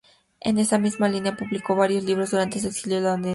En esa misma línea, publicó varios libros durante su exilio londinense.